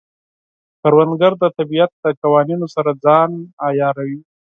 کروندګر د طبیعت د قوانینو سره ځان عیاروي